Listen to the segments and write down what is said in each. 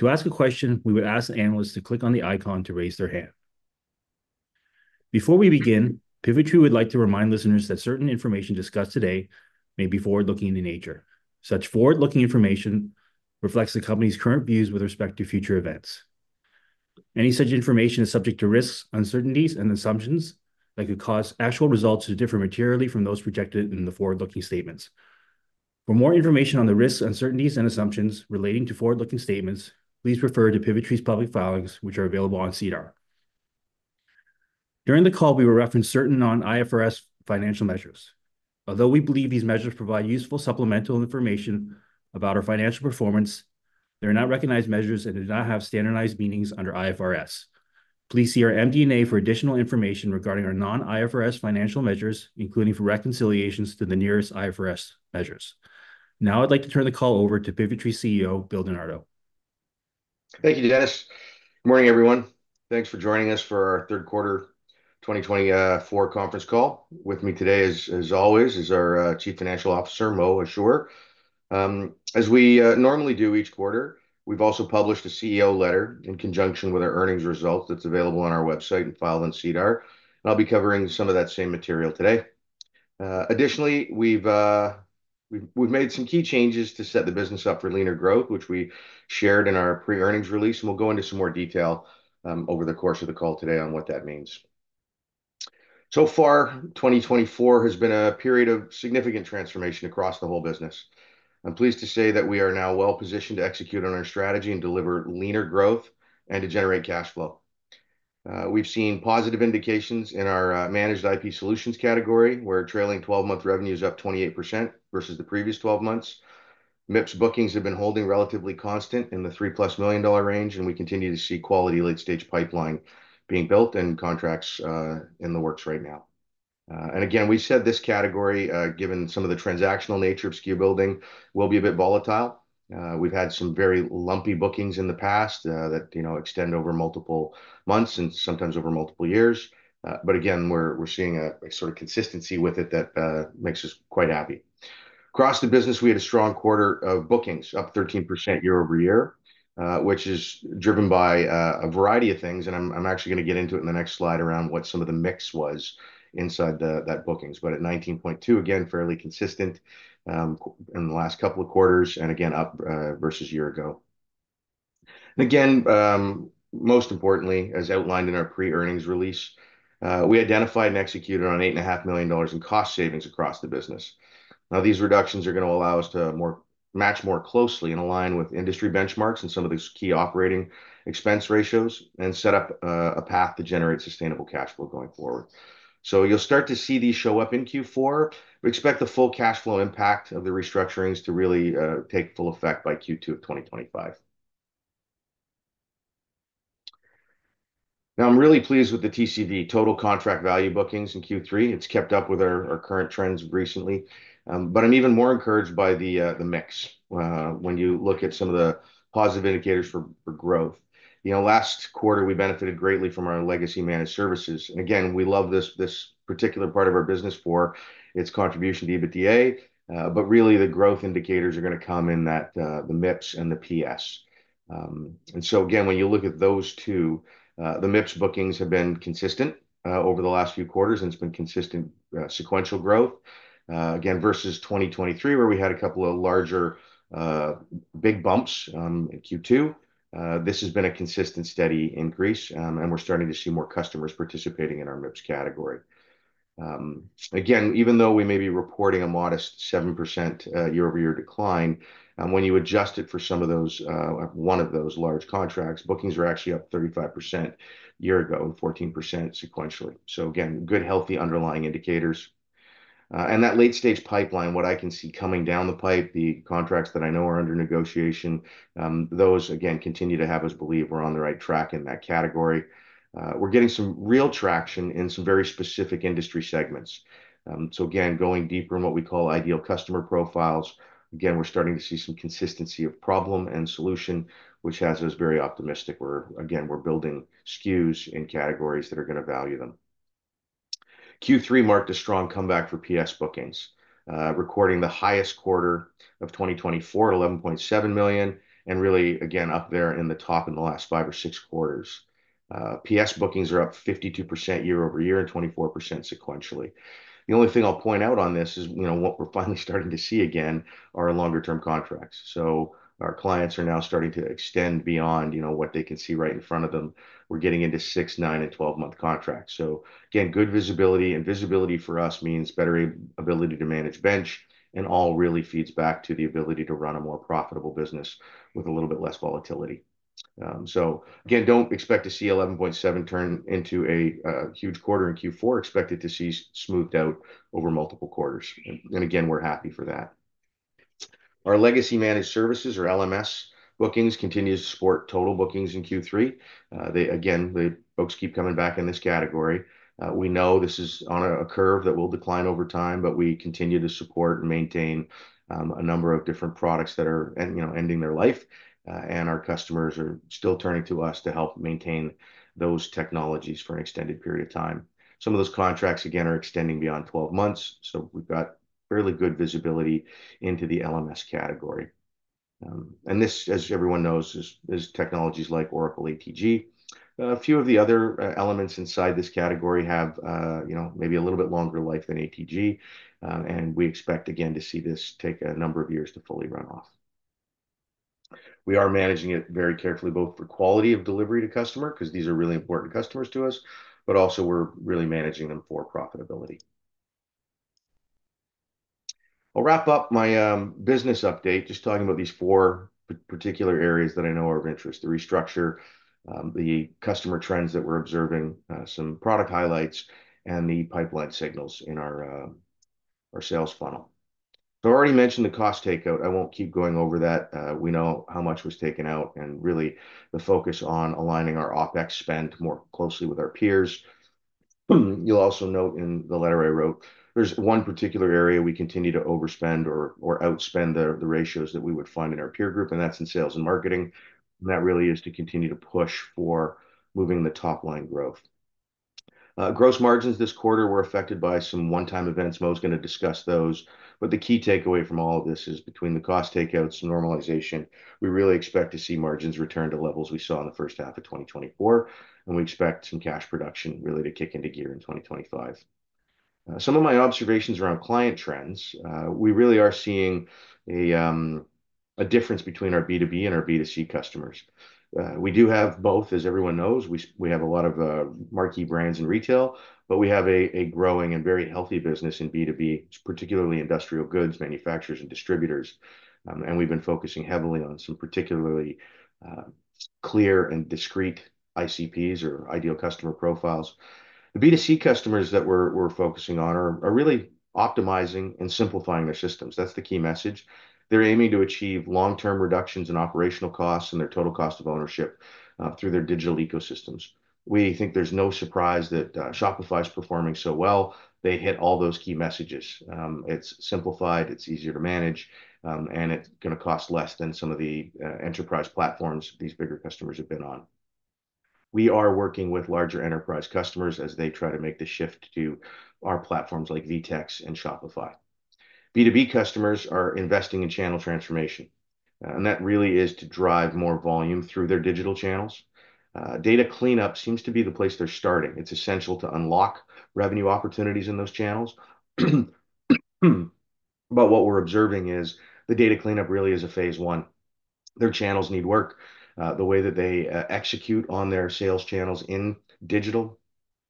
To ask a question, we would ask the analyst to click on the icon to raise their hand. Before we begin, Pivotree would like to remind listeners that certain information discussed today may be forward-looking in nature. Such forward-looking information reflects the company's current views with respect to future events. Any such information is subject to risks, uncertainties, and assumptions that could cause actual results to differ materially from those projected in the forward-looking statements. For more information on the risks, uncertainties, and assumptions relating to forward-looking statements, please refer to Pivotree's public filings, which are available on SEDAR. During the call, we will reference certain non-IFRS financial measures. Although we believe these measures provide useful supplemental information about our financial performance, they are not recognized measures and do not have standardized meanings under IFRS. Please see our MD&A for additional information regarding our non-IFRS financial measures, including for reconciliations to the nearest IFRS measures. Now I'd like to turn the call over to Pivotree CEO Bill Di Nardo. Thank you, Dennis. Good morning, everyone. Thanks for joining us for our third quarter 2024 conference call. With me today, as always, is our Chief Financial Officer, Mo Ashoor. As we normally do each quarter, we've also published a CEO letter in conjunction with our earnings results that's available on our website and filed on SEDAR, and I'll be covering some of that same material today. Additionally, we've made some key changes to set the business up for leaner growth, which we shared in our pre-earnings release, and we'll go into some more detail over the course of the call today on what that means, so far, 2024 has been a period of significant transformation across the whole business. I'm pleased to say that we are now well-positioned to execute on our strategy and deliver leaner growth and to generate cash flow. We've seen positive indications in our Managed IP Solutions category, where trailing 12-month revenue is up 28% versus the previous 12 months. MIPS bookings have been holding relatively constant in the 3+ million dollar range, and we continue to see quality late-stage pipeline being built and contracts in the works right now. And again, we said this category, given some of the transactional nature of SKU Building, will be a bit volatile. We've had some very lumpy bookings in the past that extend over multiple months and sometimes over multiple years. But again, we're seeing a sort of consistency with it that makes us quite happy. Across the business, we had a strong quarter of bookings, up 13% year-over-year, which is driven by a variety of things. I'm actually going to get into it in the next slide around what some of the mix was inside that bookings. At 19.2 million, again, fairly consistent in the last couple of quarters, and again, up versus a year ago. Again, most importantly, as outlined in our pre-earnings release, we identified and executed on 8.5 million dollars in cost savings across the business. Now, these reductions are going to allow us to match more closely and align with industry benchmarks and some of these key operating expense ratios and set up a path to generate sustainable cash flow going forward. You'll start to see these show up in Q4. We expect the full cash flow impact of the restructurings to really take full effect by Q2 of 2025. Now, I'm really pleased with the TCV, total contract value bookings in Q3. It's kept up with our current trends recently, but I'm even more encouraged by the mix when you look at some of the positive indicators for growth. Last quarter, we benefited greatly from our Legacy Managed Services, and again, we love this particular part of our business for its contribution to EBITDA, but really, the growth indicators are going to come in that the MIPS and the PS, and so again, when you look at those two, the MIPS bookings have been consistent over the last few quarters, and it's been consistent sequential growth. Again, versus 2023, where we had a couple of larger big bumps in Q2, this has been a consistent steady increase, and we're starting to see more customers participating in our MIPS category. Again, even though we may be reporting a modest 7% year-over-year decline, when you adjust it for some of those, one of those large contracts, bookings are actually up 35% year ago and 14% sequentially. So again, good, healthy underlying indicators. That late-stage pipeline, what I can see coming down the pipe, the contracts that I know are under negotiation, those, again, continue to have us believe we're on the right track in that category. We're getting some real traction in some very specific industry segments. So again, going deeper in what we call ideal customer profiles, again, we're starting to see some consistency of problem and solution, which has us very optimistic where, again, we're building SKUs in categories that are going to value them. Q3 marked a strong comeback for PS bookings, recording the highest quarter of 2024 at 11.7 million, and really, again, up there in the top in the last five or six quarters. PS bookings are up 52% year-over-year and 24% sequentially. The only thing I'll point out on this is what we're finally starting to see again are longer-term contracts. So our clients are now starting to extend beyond what they can see right in front of them. We're getting into six, nine, and twelve-month contracts. So again, good visibility, and visibility for us means better ability to manage bench, and all really feeds back to the ability to run a more profitable business with a little bit less volatility. So again, don't expect to see 11.7 million turn into a huge quarter in Q4. Expect it to see smoothed out over multiple quarters. And again, we're happy for that. Our Legacy Managed Services, or LMS bookings, continue to support total bookings in Q3. Again, the books keep coming back in this category. We know this is on a curve that will decline over time, but we continue to support and maintain a number of different products that are ending their life, and our customers are still turning to us to help maintain those technologies for an extended period of time. Some of those contracts, again, are extending beyond 12 months, so we've got fairly good visibility into the LMS category, and this, as everyone knows, is technologies like Oracle ATG. A few of the other elements inside this category have maybe a little bit longer life than ATG, and we expect, again, to see this take a number of years to fully run off. We are managing it very carefully, both for quality of delivery to customer, because these are really important customers to us, but also we're really managing them for profitability. I'll wrap up my business update just talking about these four particular areas that I know are of interest: the restructure, the customer trends that we're observing, some product highlights, and the pipeline signals in our sales funnel, so I already mentioned the cost takeout. I won't keep going over that. We know how much was taken out, and really the focus on aligning our OpEx spend more closely with our peers. You'll also note in the letter I wrote, there's one particular area we continue to overspend or outspend the ratios that we would find in our peer group, and that's in sales and marketing, and that really is to continue to push for moving the top line growth. Gross margins this quarter were affected by some one-time events. Mo is going to discuss those. But the key takeaway from all of this is between the cost takeouts and normalization, we really expect to see margins return to levels we saw in the first half of 2024, and we expect some cash production really to kick into gear in 2025. Some of my observations around client trends, we really are seeing a difference between our B2B and our B2C customers. We do have both, as everyone knows. We have a lot of marquee brands in retail, but we have a growing and very healthy business in B2B, particularly industrial goods, manufacturers, and distributors. And we've been focusing heavily on some particularly clear and discrete ICPs or ideal customer profiles. The B2C customers that we're focusing on are really optimizing and simplifying their systems. That's the key message. They're aiming to achieve long-term reductions in operational costs and their total cost of ownership through their digital ecosystems. We think there's no surprise that Shopify is performing so well. They hit all those key messages. It's simplified, it's easier to manage, and it's going to cost less than some of the enterprise platforms these bigger customers have been on. We are working with larger enterprise customers as they try to make the shift to our platforms like VTEX and Shopify. B2B customers are investing in channel transformation, and that really is to drive more volume through their digital channels. Data cleanup seems to be the place they're starting. It's essential to unlock revenue opportunities in those channels. But what we're observing is the data cleanup really is a phase I. Their channels need work. The way that they execute on their sales channels in digital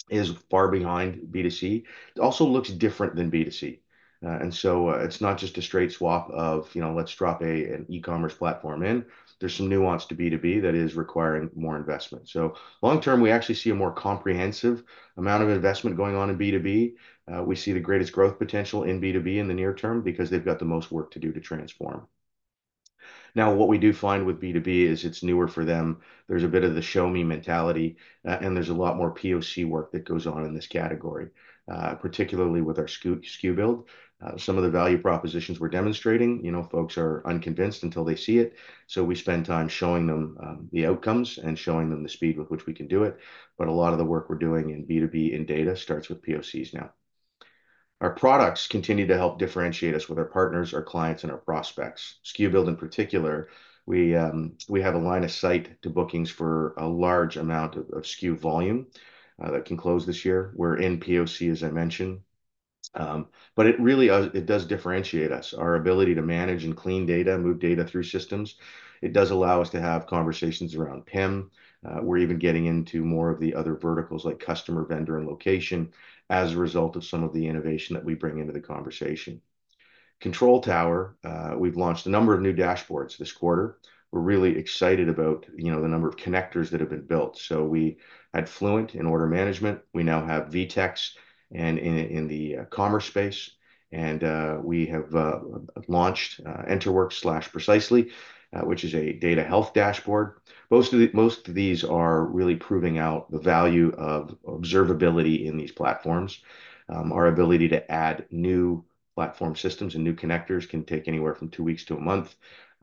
is far behind B2C. It also looks different than B2C, and so it's not just a straight swap of, "Let's drop an e-commerce platform in." There's some nuance to B2B that is requiring more investment, so long term, we actually see a more comprehensive amount of investment going on in B2B. We see the greatest growth potential in B2B in the near term because they've got the most work to do to transform. Now, what we do find with B2B is it's newer for them. There's a bit of the show-me mentality, and there's a lot more POC work that goes on in this category, particularly with our SKU Build. Some of the value propositions we're demonstrating, folks are unconvinced until they see it, so we spend time showing them the outcomes and showing them the speed with which we can do it. But a lot of the work we're doing in B2B in data starts with POCs now. Our products continue to help differentiate us with our partners, our clients, and our prospects. SKU Build, in particular, we have a line of sight to bookings for a large amount of SKU volume that can close this year. We're in POC, as I mentioned. But it really does differentiate us. Our ability to manage and clean data, move data through systems, it does allow us to have conversations around PIM. We're even getting into more of the other verticals like customer, vendor, and location as a result of some of the innovation that we bring into the conversation. Control Tower, we've launched a number of new dashboards this quarter. We're really excited about the number of connectors that have been built. So we had Fluent in order management. We now have VTEX in the commerce space, and we have launched EnterWorks/Precisely, which is a data health dashboard. Most of these are really proving out the value of observability in these platforms. Our ability to add new platform systems and new connectors can take anywhere from two weeks to a month,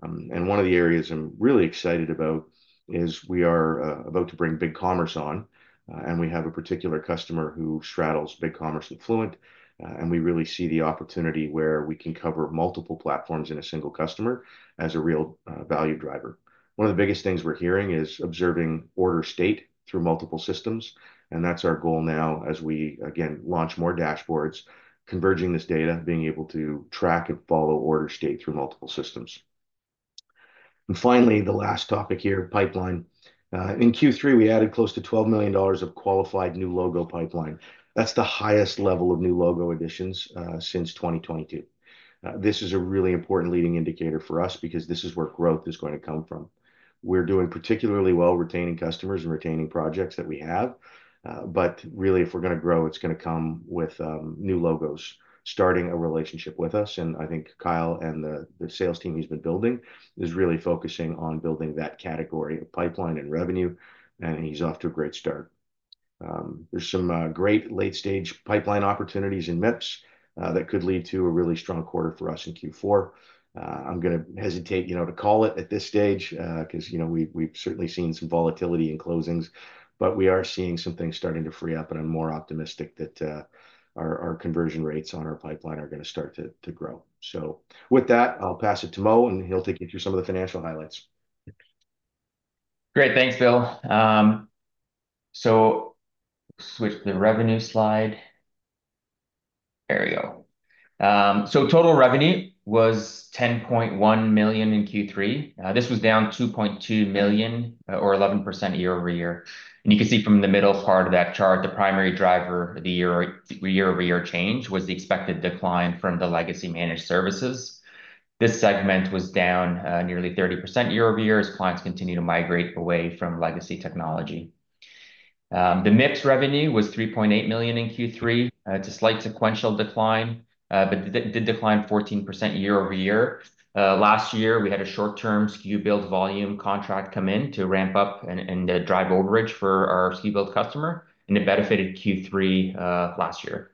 and one of the areas I'm really excited about is we are about to bring BigCommerce on, and we have a particular customer who straddles BigCommerce and Fluent, and we really see the opportunity where we can cover multiple platforms in a single customer as a real value driver. One of the biggest things we're hearing is observing order state through multiple systems, and that's our goal now as we, again, launch more dashboards, converging this data, being able to track and follow order state through multiple systems, and finally, the last topic here, pipeline. In Q3, we added close to 12 million dollars of qualified new logo pipeline. That's the highest level of new logo additions since 2022. This is a really important leading indicator for us because this is where growth is going to come from. We're doing particularly well retaining customers and retaining projects that we have. But really, if we're going to grow, it's going to come with new logos starting a relationship with us. And I think Kyle and the sales team he's been building is really focusing on building that category of pipeline and revenue. And he's off to a great start. There's some great late-stage pipeline opportunities in MIPS that could lead to a really strong quarter for us in Q4. I'm going to hesitate to call it at this stage because we've certainly seen some volatility in closings. But we are seeing some things starting to free up, and I'm more optimistic that our conversion rates on our pipeline are going to start to grow. So with that, I'll pass it to Mo, and he'll take you through some of the financial highlights. Great. Thanks, Bill. So switch the revenue slide. There we go. So total revenue was 10.1 million in Q3. This was down 2.2 million or 11% year-over-year. And you can see from the middle part of that chart, the primary driver of the year-over-year change was the expected decline from the Legacy Managed Services. This segment was down nearly 30% year-over-year as clients continue to migrate away from legacy technology. The MIPS revenue was 3.8 million in Q3. It's a slight sequential decline, but did decline 14% year-over-year. Last year, we had a short-term SKU Build volume contract come in to ramp up and drive overage for our SKU Build customer, and it benefited Q3 last year.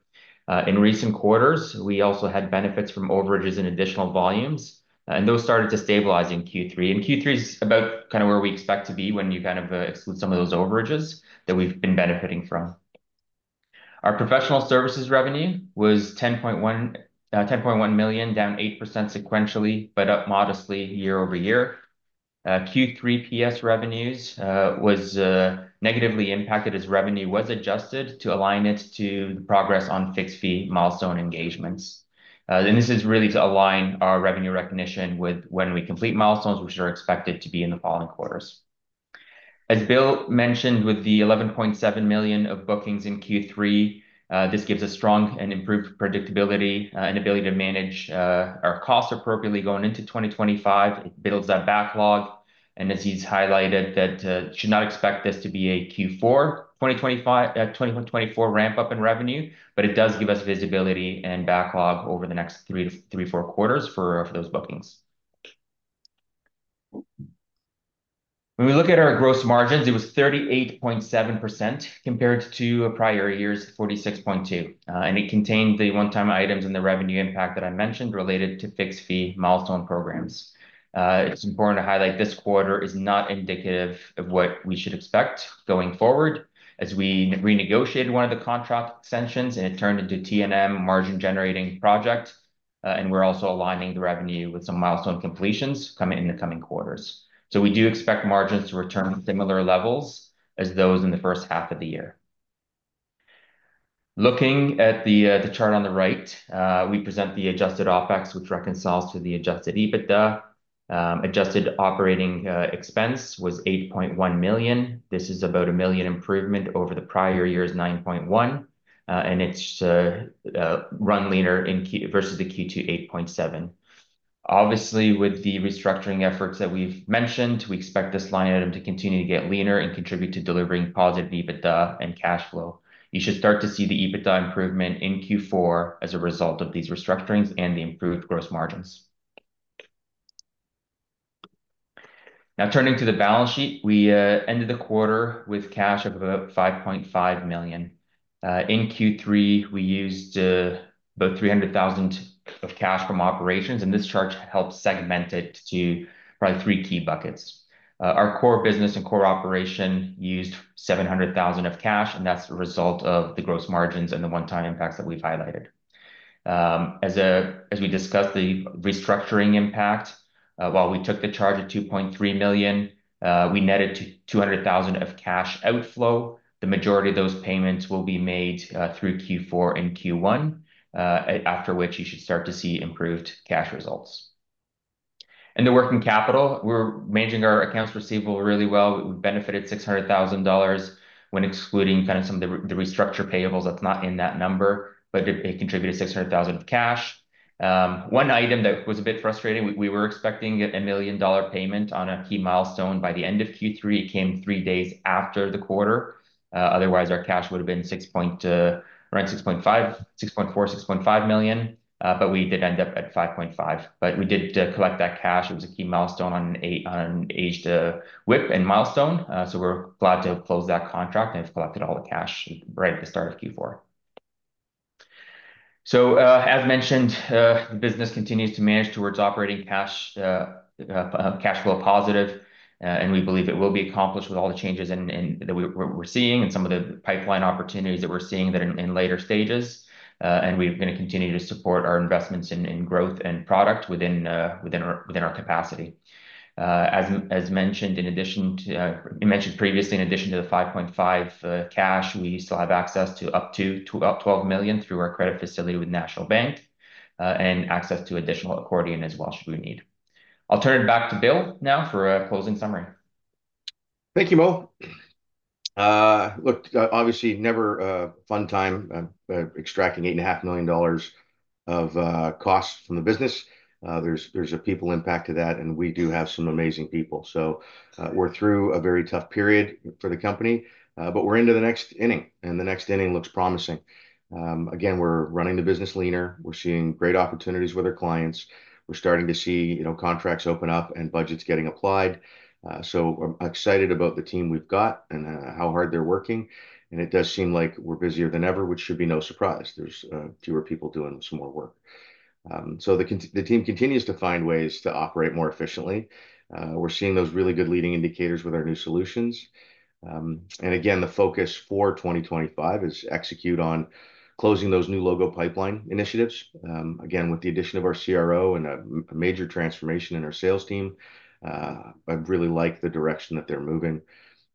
In recent quarters, we also had benefits from overages and additional volumes, and those started to stabilize in Q3. Q3 is about kind of where we expect to be when you kind of exclude some of those overages that we've been benefiting from. Our Professional Services revenue was 10.1 million, down 8% sequentially, but up modestly year-over-year. Q3 PS revenues was negatively impacted as revenue was adjusted to align it to the progress on fixed fee milestone engagements. This is really to align our revenue recognition with when we complete milestones, which are expected to be in the following quarters. As Bill mentioned, with the 11.7 million of bookings in Q3, this gives a strong and improved predictability and ability to manage our costs appropriately going into 2025. It builds that backlog. As he's highlighted, that should not expect this to be a Q4 2024 ramp-up in revenue, but it does give us visibility and backlog over the next three to three or four quarters for those bookings. When we look at our gross margins, it was 38.7% compared to prior years, 46.2%. And it contained the one-time items and the revenue impact that I mentioned related to fixed fee milestone programs. It's important to highlight this quarter is not indicative of what we should expect going forward as we renegotiated one of the contract extensions and it turned into T&M margin-generating project. And we're also aligning the revenue with some milestone completions coming in the coming quarters. So we do expect margins to return similar levels as those in the first half of the year. Looking at the chart on the right, we present the adjusted OpEx, which reconciles to the adjusted EBITDA. Adjusted operating expense was 8.1 million. This is about a million improvement over the prior years, 9.1 million, and it's run leaner versus the Q2, 8.7 million. Obviously, with the restructuring efforts that we've mentioned, we expect this line item to continue to get leaner and contribute to delivering positive EBITDA and cash flow. You should start to see the EBITDA improvement in Q4 as a result of these restructurings and the improved gross margins. Now, turning to the balance sheet, we ended the quarter with cash of about 5.5 million. In Q3, we used about 300,000 of cash from operations, and this chart helps segment it to probably three key buckets. Our core business and core operation used 700,000 of cash, and that's the result of the gross margins and the one-time impacts that we've highlighted. As we discussed the restructuring impact, while we took the charge of 2.3 million, we netted 200,000 of cash outflow. The majority of those payments will be made through Q4 and Q1, after which you should start to see improved cash results, and the working capital, we're managing our accounts receivable really well. We've benefited 600,000 dollars when excluding kind of some of the restructure payables. That's not in that number, but it contributed 600,000 of cash. One item that was a bit frustrating, we were expecting a 1 million dollar payment on a key milestone by the end of Q3. It came three days after the quarter. Otherwise, our cash would have been around 6.4 million-6.5 million, but we did end up at 5.5 million. But we did collect that cash. It was a key milestone on an aged WIP and milestone. So we're glad to have closed that contract and have collected all the cash right at the start of Q4. So, as mentioned, the business continues to manage towards operating cash flow positive, and we believe it will be accomplished with all the changes that we're seeing and some of the pipeline opportunities that we're seeing in later stages. And we're going to continue to support our investments in growth and product within our capacity. As mentioned, in addition to, you mentioned previously, in addition to the 5.5 million cash, we still have access to up to 12 million through our credit facility with National Bank and access to additional accordion as well should we need. I'll turn it back to Bill now for a closing summary. Thank you, Mo. Look, obviously, never a fun time extracting 8.5 million dollars of costs from the business. There's a people impact to that, and we do have some amazing people. So we're through a very tough period for the company, but we're into the next inning, and the next inning looks promising. Again, we're running the business leaner. We're seeing great opportunities with our clients. We're starting to see contracts open up and budgets getting applied. So I'm excited about the team we've got and how hard they're working. And it does seem like we're busier than ever, which should be no surprise. There's fewer people doing some more work. So the team continues to find ways to operate more efficiently. We're seeing those really good leading indicators with our new solutions. And again, the focus for 2025 is execute on closing those new logo pipeline initiatives. Again, with the addition of our CRO and a major transformation in our sales team, I really like the direction that they're moving.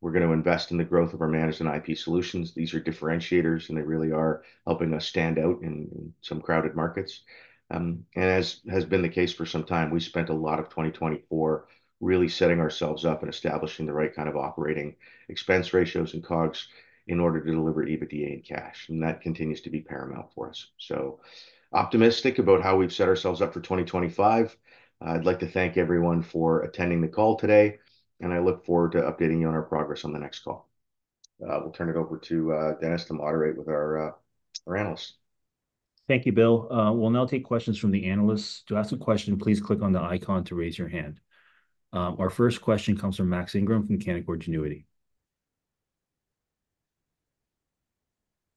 We're going to invest in the growth of our Managed IP Solutions. These are differentiators, and they really are helping us stand out in some crowded markets. And as has been the case for some time, we spent a lot of 2024 really setting ourselves up and establishing the right kind of operating expense ratios and COGS in order to deliver EBITDA in cash. And that continues to be paramount for us. So optimistic about how we've set ourselves up for 2025. I'd like to thank everyone for attending the call today, and I look forward to updating you on our progress on the next call. We'll turn it over to Dennis to moderate with our analysts. Thank you, Bill. We'll now take questions from the analysts. To ask a question, please click on the icon to raise your hand. Our first question comes from Max Ingram from Canaccord Genuity.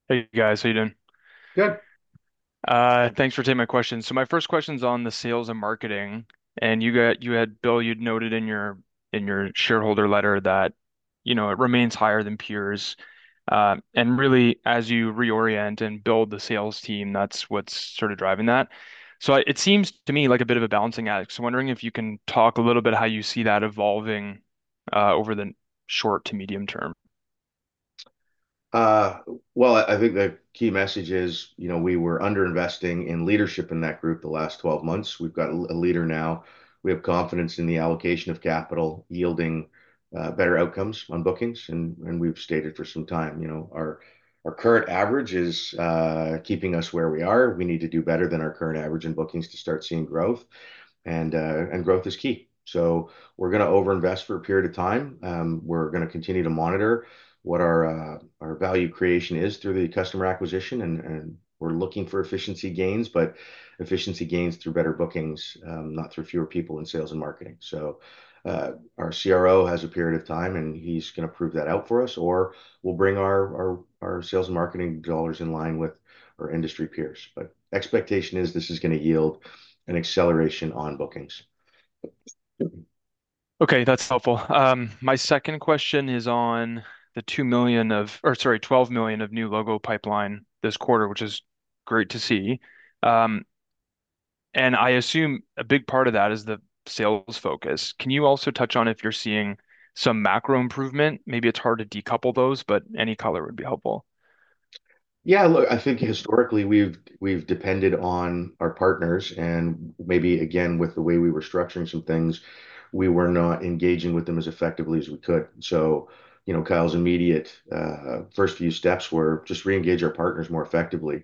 Hey, guys. How are you doing? Good. Thanks for taking my question. So my first question is on the sales and marketing. And you had, Bill, you'd noted in your shareholder letter that it remains higher than peers. And really, as you reorient and build the sales team, that's what's sort of driving that. So it seems to me like a bit of a balancing act. So I'm wondering if you can talk a little bit how you see that evolving over the short to medium term. I think the key message is we were underinvesting in leadership in that group the last 12 months. We've got a leader now. We have confidence in the allocation of capital yielding better outcomes on bookings. And we've stated for some time, our current average is keeping us where we are. We need to do better than our current average in bookings to start seeing growth. And growth is key. So we're going to overinvest for a period of time. We're going to continue to monitor what our value creation is through the customer acquisition. And we're looking for efficiency gains, but efficiency gains through better bookings, not through fewer people in sales and marketing. So our CRO has a period of time, and he's going to prove that out for us. Or we'll bring our sales and marketing dollars in line with our industry peers. But expectation is this is going to yield an acceleration on bookings. Okay. That's helpful. My second question is on the 2 million of, or sorry, 12 million of new logo pipeline this quarter, which is great to see, and I assume a big part of that is the sales focus. Can you also touch on if you're seeing some macro improvement? Maybe it's hard to decouple those, but any color would be helpful. Yeah. Look, I think historically, we've depended on our partners, and maybe, again, with the way we were structuring some things, we were not engaging with them as effectively as we could, so Kyle's immediate first few steps were just reengage our partners more effectively,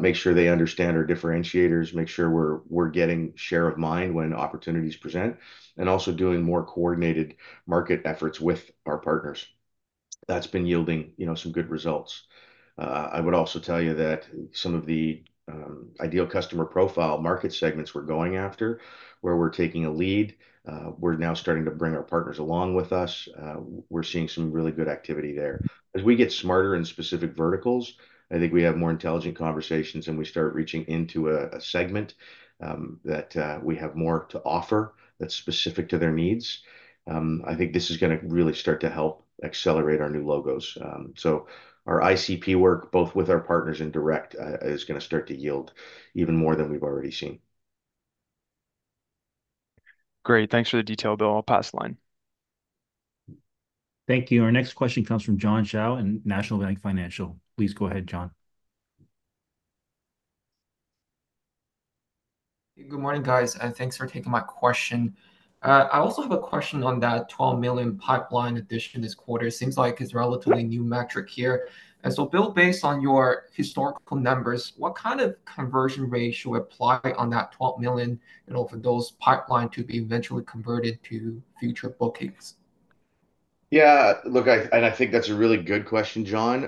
make sure they understand our differentiators, make sure we're getting share of mind when opportunities present, and also doing more coordinated market efforts with our partners. That's been yielding some good results. I would also tell you that some of the ideal customer profile market segments we're going after, where we're taking a lead, we're now starting to bring our partners along with us. We're seeing some really good activity there. As we get smarter in specific verticals, I think we have more intelligent conversations, and we start reaching into a segment that we have more to offer that's specific to their needs. I think this is going to really start to help accelerate our new logos. So our ICP work, both with our partners in direct, is going to start to yield even more than we've already seen. Great. Thanks for the detail, Bill. I'll pass the line. Thank you. Our next question comes from John Shao at National Bank Financial. Please go ahead, John. Good morning, guys. Thanks for taking my question. I also have a question on that 12 million pipeline addition this quarter. Seems like it's a relatively new metric here. And so, Bill, based on your historical numbers, what kind of conversion ratio apply on that 12 million and over those pipeline to be eventually converted to future bookings? Yeah. Look, and I think that's a really good question, John.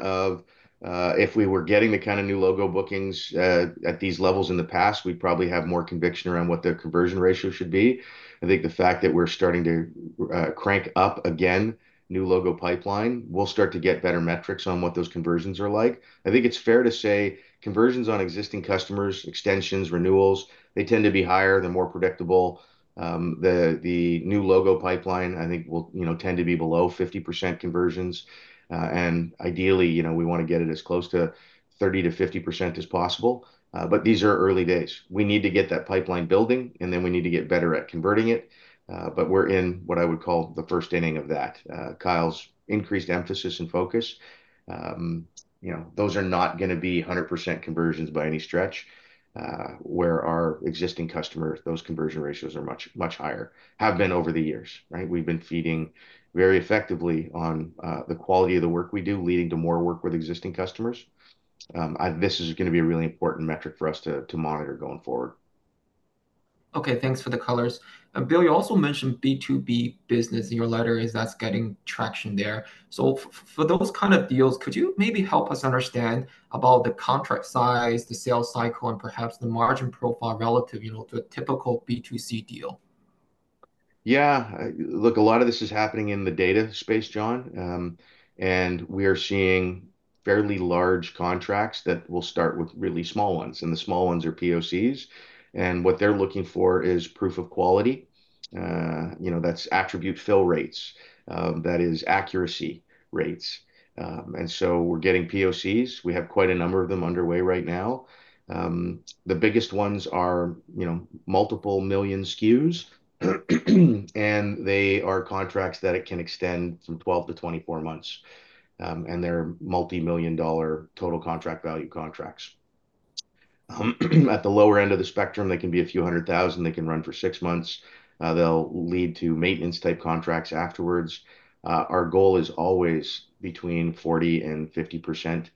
If we were getting the kind of new logo bookings at these levels in the past, we'd probably have more conviction around what the conversion ratio should be. I think the fact that we're starting to crank up again new logo pipeline, we'll start to get better metrics on what those conversions are like. I think it's fair to say conversions on existing customers, extensions, renewals, they tend to be higher. They're more predictable. The new logo pipeline, I think, will tend to be below 50% conversions. And ideally, we want to get it as close to 30%-50% as possible. But these are early days. We need to get that pipeline building, and then we need to get better at converting it. But we're in what I would call the first inning of that. Kyle's increased emphasis and focus, those are not going to be 100% conversions by any stretch. Where our existing customers, those conversion ratios are much higher, have been over the years. We've been feeding very effectively on the quality of the work we do, leading to more work with existing customers. This is going to be a really important metric for us to monitor going forward. Okay. Thanks for the colors. Bill, you also mentioned B2B business in your letter as that's getting traction there. So for those kind of deals, could you maybe help us understand about the contract size, the sales cycle, and perhaps the margin profile relative to a typical B2C deal? Yeah. Look, a lot of this is happening in the data space, John. And we are seeing fairly large contracts that will start with really small ones. And the small ones are POCs. And what they're looking for is proof of quality. That's attribute fill rates. That is accuracy rates. And so we're getting POCs. We have quite a number of them underway right now. The biggest ones are multiple million SKUs, and they are contracts that it can extend from 12-24 months. And they're multi-million CAD total contract value contracts. At the lower end of the spectrum, they can be a few hundred thousand. They can run for six months. They'll lead to maintenance-type contracts afterwards. Our goal is always between 40% and 50%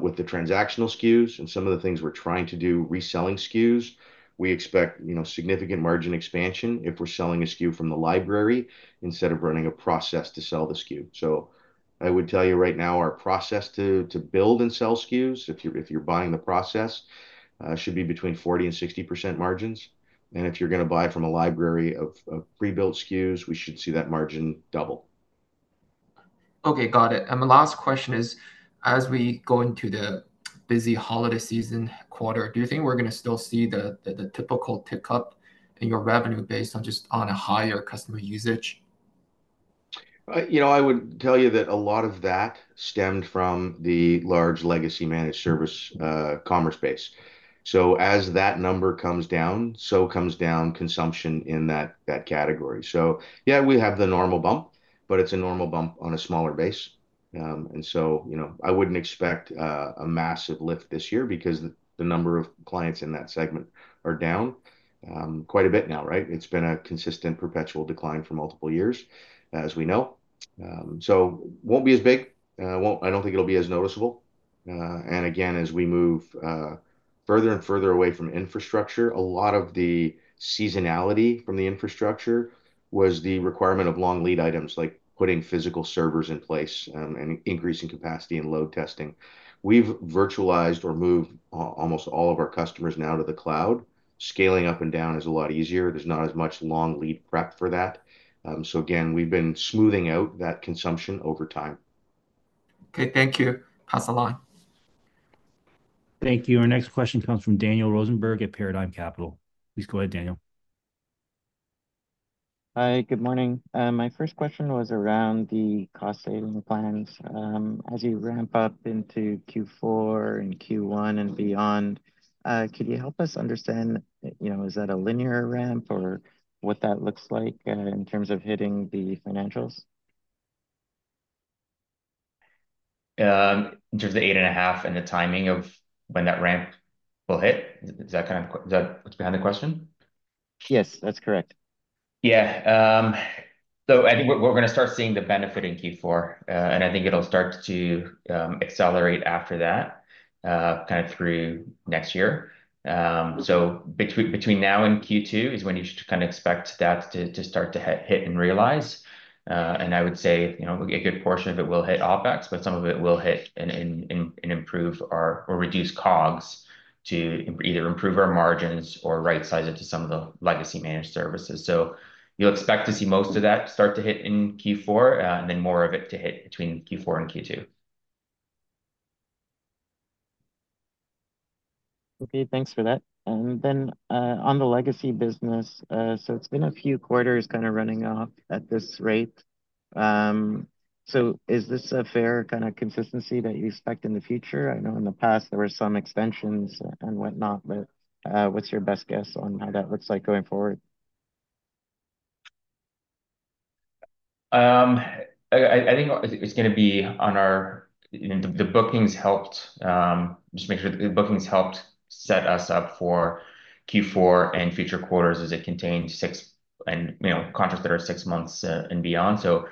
with the transactional SKUs. Some of the things we're trying to do, reselling SKUs, we expect significant margin expansion if we're selling a SKU from the library instead of running a process to sell the SKU. So I would tell you right now, our process to build and sell SKUs, if you're buying the process, should be between 40% and 60% margins. If you're going to buy from a library of prebuilt SKUs, we should see that margin double. Okay. Got it. And my last question is, as we go into the busy holiday season quarter, do you think we're going to still see the typical tick up in your revenue based on just on a higher customer usage? I would tell you that a lot of that stemmed from the large Legacy Managed Service commerce base. So as that number comes down, so comes down consumption in that category. So yeah, we have the normal bump, but it's a normal bump on a smaller base. And so I wouldn't expect a massive lift this year because the number of clients in that segment are down quite a bit now, right? It's been a consistent perpetual decline for multiple years, as we know. So it won't be as big. I don't think it'll be as noticeable. And again, as we move further and further away from infrastructure, a lot of the seasonality from the infrastructure was the requirement of long lead items, like putting physical servers in place and increasing capacity and load testing. We've virtualized or moved almost all of our customers now to the cloud. Scaling up and down is a lot easier. There's not as much long lead prep for that. So again, we've been smoothing out that consumption over time. Okay. Thank you. Pass the line. Thank you. Our next question comes from Daniel Rosenberg at Paradigm Capital. Please go ahead, Daniel. Hi. Good morning. My first question was around the cost saving plans. As you ramp up into Q4 and Q1 and beyond, could you help us understand, is that a linear ramp or what that looks like in terms of hitting the financials? In terms of the 8.5 million and the timing of when that ramp will hit, is that kind of what's behind the question? Yes, that's correct. Yeah. So I think we're going to start seeing the benefit in Q4, and I think it'll start to accelerate after that, kind of through next year, so between now and Q2 is when you should kind of expect that to start to hit and realize, and I would say a good portion of it will hit OpEx, but some of it will hit and improve or reduce COGS to either improve our margins or right-size it to some of the Legacy Managed Services, so you'll expect to see most of that start to hit in Q4 and then more of it to hit between Q4 and Q2. Okay. Thanks for that, and then on the legacy business, so it's been a few quarters kind of running off at this rate, so is this a fair kind of consistency that you expect in the future? I know in the past, there were some extensions and whatnot, but what's your best guess on how that looks like going forward? I think it's going to be on our. The bookings helped set us up for Q4 and future quarters, as it contains contracts that are six months and beyond, so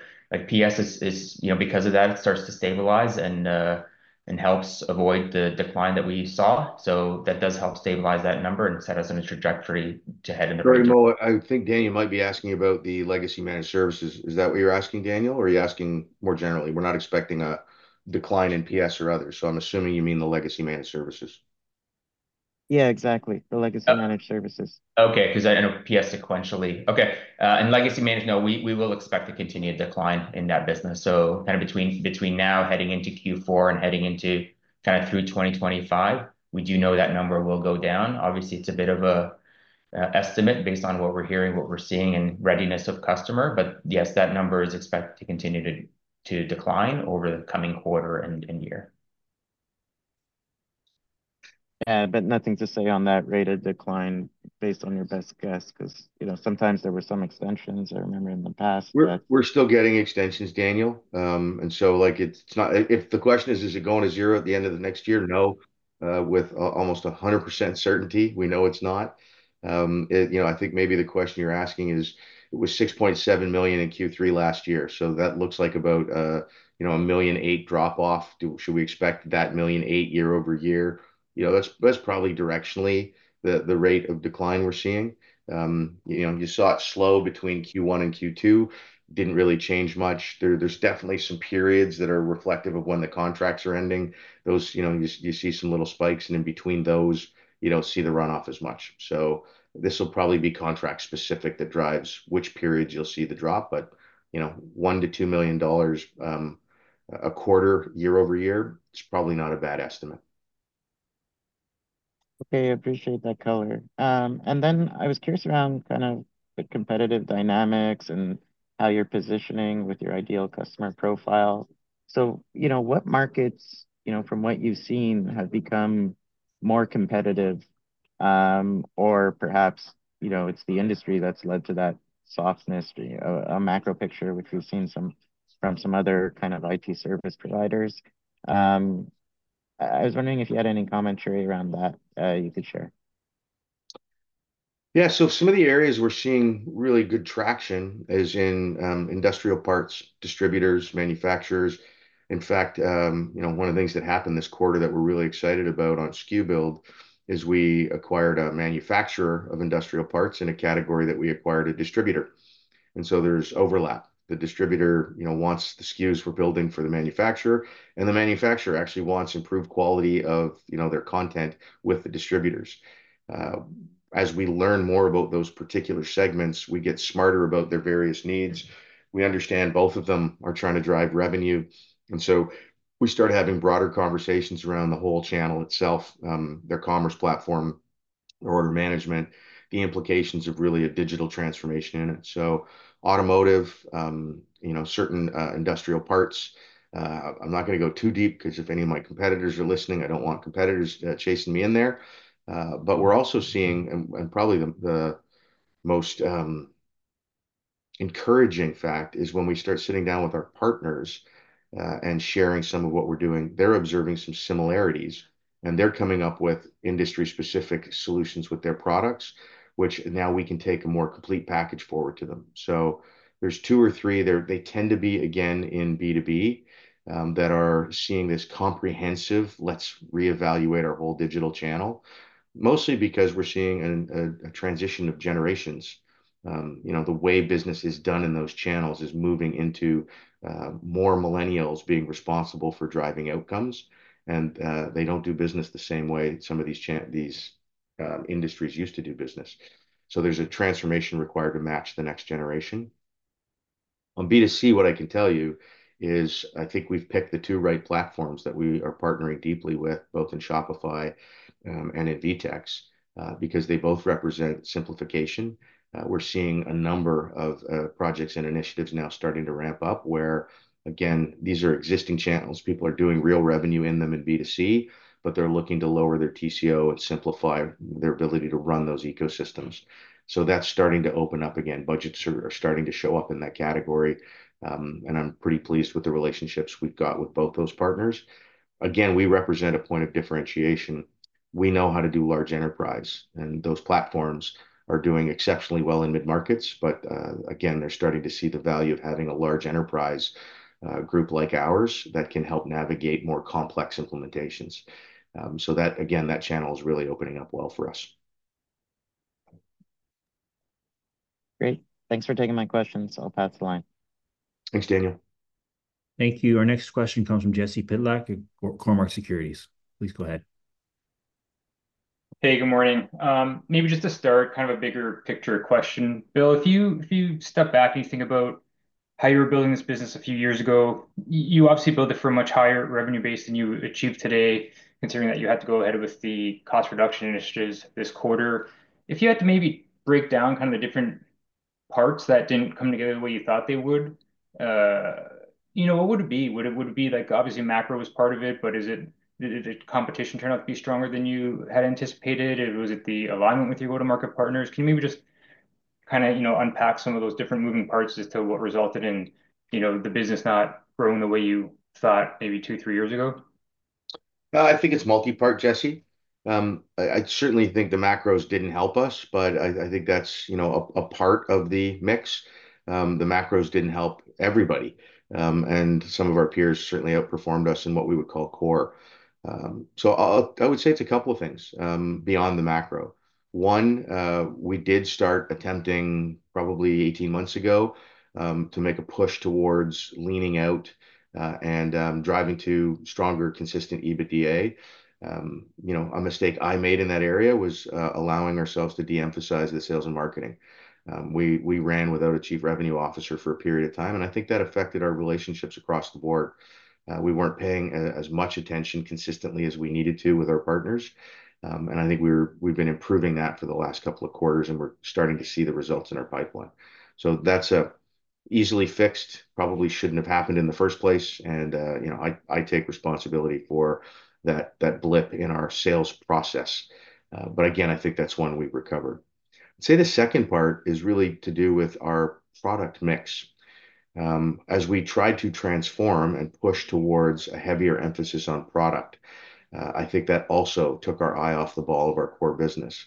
PS is because of that. It starts to stabilize and helps avoid the decline that we saw, so that does help stabilize that number and set us on a trajectory to head in the future. Mo, I think Daniel might be asking about the Legacy Managed Services. Is that what you're asking, Daniel, or are you asking more generally? We're not expecting a decline in PS or others. So I'm assuming you mean the Legacy Managed Services. Yeah, exactly. The Legacy Managed Services. Okay. Because I know PS sequentially. Okay. And legacy managed, no, we will expect a continued decline in that business. So kind of between now heading into Q4 and heading into kind of through 2025, we do know that number will go down. Obviously, it's a bit of an estimate based on what we're hearing, what we're seeing, and readiness of customer. But yes, that number is expected to continue to decline over the coming quarter and year. But nothing to say on that rate of decline based on your best guess because sometimes there were some extensions, I remember, in the past? We're still getting extensions, Daniel. So if the question is, is it going to zero at the end of the next year? No, with almost 100% certainty, we know it's not. I think maybe the question you're asking is it was 6.7 million in Q3 last year. So that looks like about a 1.8 million drop-off. Should we expect that 1.8 million year-over-year? That's probably directionally the rate of decline we're seeing. You saw it slow between Q1 and Q2. Didn't really change much. There's definitely some periods that are reflective of when the contracts are ending. You see some little spikes, and in between those, you don't see the runoff as much. So this will probably be contract-specific that drives which periods you'll see the drop. But 1 million-2 million dollars a quarter year-over-year, it's probably not a bad estimate. Okay. I appreciate that color. And then I was curious around kind of the competitive dynamics and how you're positioning with your ideal customer profile. So what markets, from what you've seen, have become more competitive? Or perhaps it's the industry that's led to that softness, a macro picture, which we've seen from some other kind of IT service providers. I was wondering if you had any commentary around that you could share. Yeah. So some of the areas we're seeing really good traction is in industrial parts, distributors, manufacturers. In fact, one of the things that happened this quarter that we're really excited about on SKU Build is we acquired a manufacturer of industrial parts in a category that we acquired a distributor. And so there's overlap. The distributor wants the SKUs we're building for the manufacturer, and the manufacturer actually wants improved quality of their content with the distributors. As we learn more about those particular segments, we get smarter about their various needs. We understand both of them are trying to drive revenue. And so we start having broader conversations around the whole channel itself, their commerce platform, order management, the implications of really a digital transformation in it. So automotive, certain industrial parts. I'm not going to go too deep because if any of my competitors are listening, I don't want competitors chasing me in there. But we're also seeing, and probably the most encouraging fact is when we start sitting down with our partners and sharing some of what we're doing, they're observing some similarities, and they're coming up with industry-specific solutions with their products, which now we can take a more complete package forward to them. So there's two or three there. They tend to be, again, in B2B that are seeing this comprehensive, let's reevaluate our whole digital channel, mostly because we're seeing a transition of generations. The way business is done in those channels is moving into more millennials being responsible for driving outcomes, and they don't do business the same way some of these industries used to do business. So there's a transformation required to match the next generation. On B2C, what I can tell you is I think we've picked the two right platforms that we are partnering deeply with, both in Shopify and in VTEX, because they both represent simplification. We're seeing a number of projects and initiatives now starting to ramp up where, again, these are existing channels. People are doing real revenue in them in B2C, but they're looking to lower their TCO and simplify their ability to run those ecosystems. So that's starting to open up again. Budgets are starting to show up in that category. And I'm pretty pleased with the relationships we've got with both those partners. Again, we represent a point of differentiation. We know how to do large enterprise, and those platforms are doing exceptionally well in mid-markets. But again, they're starting to see the value of having a large enterprise group like ours that can help navigate more complex implementations. So again, that channel is really opening up well for us. Great. Thanks for taking my questions. I'll pass the line. Thanks, Daniel. Thank you. Our next question comes from Jesse Pytlak at Cormark Securities. Please go ahead. Hey, good morning. Maybe just to start, kind of a bigger picture question. Bill, if you step back and you think about how you were building this business a few years ago, you obviously built it for a much higher revenue base than you achieved today, considering that you had to go ahead with the cost reduction initiatives this quarter. If you had to maybe break down kind of the different parts that didn't come together the way you thought they would, what would it be? Would it be like obviously macro was part of it, but did the competition turn out to be stronger than you had anticipated? Was it the alignment with your go-to-market partners? Can you maybe just kind of unpack some of those different moving parts as to what resulted in the business not growing the way you thought maybe two, three years ago? I think it's multipart, Jesse. I certainly think the macros didn't help us, but I think that's a part of the mix. The macros didn't help everybody, and some of our peers certainly outperformed us in what we would call core, so I would say it's a couple of things beyond the macro. One, we did start attempting probably 18 months ago to make a push towards leaning out and driving to stronger, consistent EBITDA. A mistake I made in that area was allowing ourselves to de-emphasize the sales and marketing. We ran without a Chief Revenue Officer for a period of time, and I think that affected our relationships across the board. We weren't paying as much attention consistently as we needed to with our partners, and I think we've been improving that for the last couple of quarters, and we're starting to see the results in our pipeline. So that's an easily fixed issue. Probably shouldn't have happened in the first place. And I take responsibility for that blip in our sales process. But again, I think that's one we've recovered. I'd say the second part is really to do with our product mix. As we tried to transform and push towards a heavier emphasis on product, I think that also took our eye off the ball of our core business.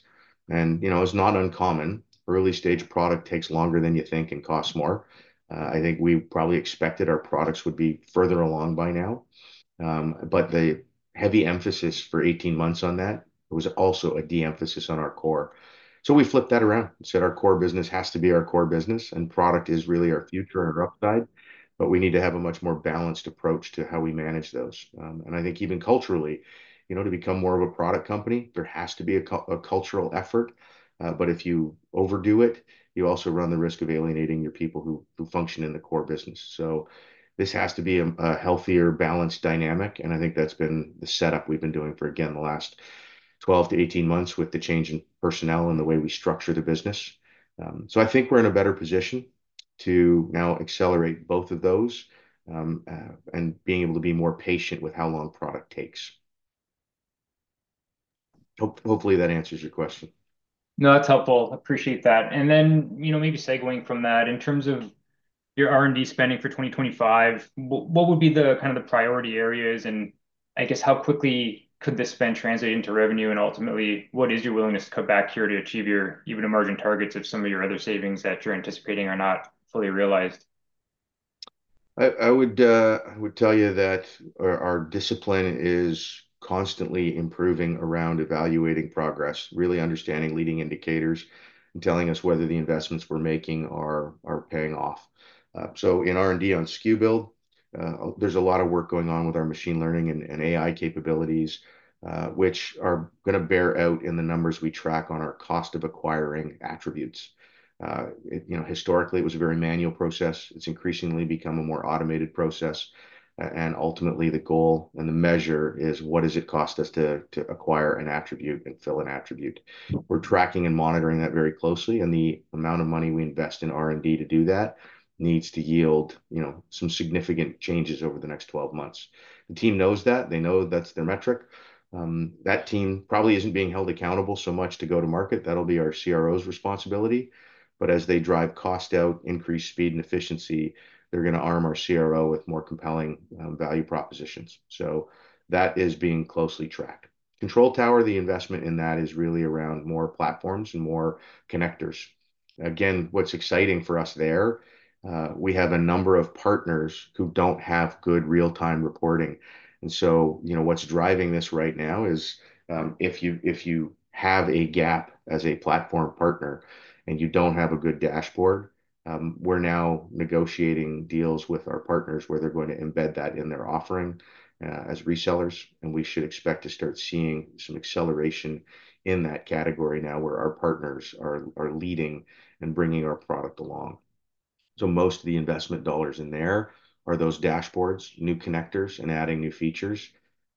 And it's not uncommon. Early-stage product takes longer than you think and costs more. I think we probably expected our products would be further along by now. But the heavy emphasis for 18 months on that was also a de-emphasis on our core. So we flipped that around and said our core business has to be our core business, and product is really our future and our upside, but we need to have a much more balanced approach to how we manage those. And I think even culturally, to become more of a product company, there has to be a cultural effort. But if you overdo it, you also run the risk of alienating your people who function in the core business. So this has to be a healthier, balanced dynamic. And I think that's been the setup we've been doing for, again, the last 12-18 months with the change in personnel and the way we structure the business. So I think we're in a better position to now accelerate both of those and being able to be more patient with how long product takes. Hopefully, that answers your question. No, that's helpful. Appreciate that. And then maybe seguing from that, in terms of your R&D spending for 2025, what would be kind of the priority areas? And I guess how quickly could this spend translate into revenue? And ultimately, what is your willingness to cut back here to achieve your even emerging targets if some of your other savings that you're anticipating are not fully realized? I would tell you that our discipline is constantly improving around evaluating progress, really understanding leading indicators and telling us whether the investments we're making are paying off. So in R&D on SKU Build, there's a lot of work going on with our machine learning and AI capabilities, which are going to bear out in the numbers we track on our cost of acquiring attributes. Historically, it was a very manual process. It's increasingly become a more automated process. And ultimately, the goal and the measure is what does it cost us to acquire an attribute and fill an attribute. We're tracking and monitoring that very closely. And the amount of money we invest in R&D to do that needs to yield some significant changes over the next 12 months. The team knows that. They know that's their metric. That team probably isn't being held accountable so much to go-to-market. That'll be our CRO's responsibility. But as they drive cost out, increase speed and efficiency, they're going to arm our CRO with more compelling value propositions. So that is being closely tracked. Control Tower, the investment in that is really around more platforms and more connectors. Again, what's exciting for us there, we have a number of partners who don't have good real-time reporting. And so what's driving this right now is if you have a gap as a platform partner and you don't have a good dashboard, we're now negotiating deals with our partners where they're going to embed that in their offering as resellers. And we should expect to start seeing some acceleration in that category now where our partners are leading and bringing our product along. So most of the investment dollars in there are those dashboards, new connectors, and adding new features.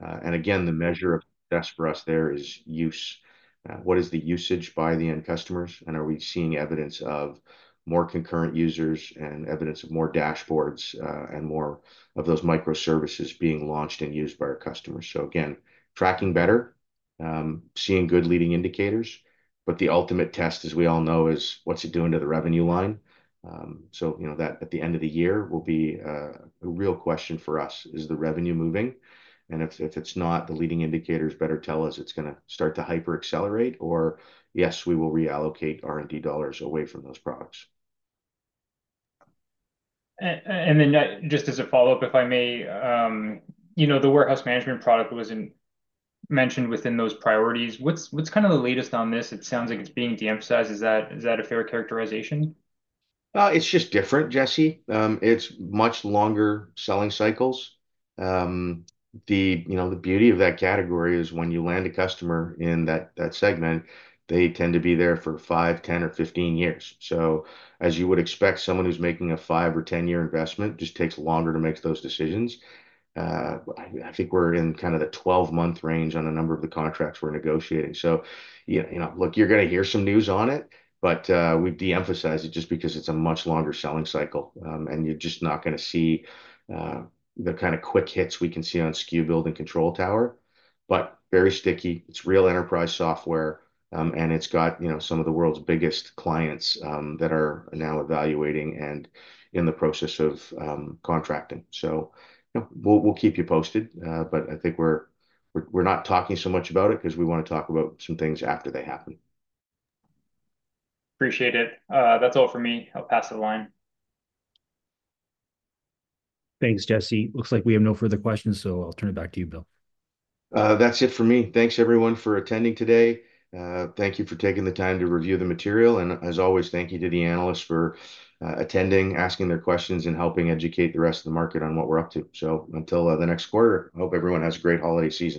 And again, the measure of success for us there is use. What is the usage by the end customers? And are we seeing evidence of more concurrent users and evidence of more dashboards and more of those microservices being launched and used by our customers? So again, tracking better, seeing good leading indicators. But the ultimate test, as we all know, is what's it doing to the revenue line? So at the end of the year, will be a real question for us: is the revenue moving? And if it's not, the leading indicators better tell us it's going to start to hyper-accelerate or, yes, we will reallocate R&D dollars away from those products. And then just as a follow-up, if I may, the warehouse management product wasn't mentioned within those priorities. What's kind of the latest on this? It sounds like it's being de-emphasized. Is that a fair characterization? It's just different, Jesse. It's much longer selling cycles. The beauty of that category is when you land a customer in that segment, they tend to be there for five, 10, or 15 years. So as you would expect, someone who's making a five or 10-year investment just takes longer to make those decisions. I think we're in kind of the 12-month range on a number of the contracts we're negotiating. So look, you're going to hear some news on it, but we've de-emphasized it just because it's a much longer selling cycle, and you're just not going to see the kind of quick hits we can see on SKU Build and Control Tower, but very sticky. It's real enterprise software, and it's got some of the world's biggest clients that are now evaluating and in the process of contracting. So we'll keep you posted. But I think we're not talking so much about it because we want to talk about some things after they happen. Appreciate it. That's all for me. I'll pass the line. Thanks, Jesse. Looks like we have no further questions, so I'll turn it back to you, Bill. That's it for me. Thanks, everyone, for attending today. Thank you for taking the time to review the material. As always, thank you to the analysts for attending, asking their questions, and helping educate the rest of the market on what we're up to. Until the next quarter, I hope everyone has a great holiday season.